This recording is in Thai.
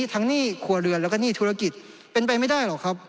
หนี้ครัวเรือนแล้วก็หนี้ธุรกิจเป็นไปไม่ได้หรอกครับ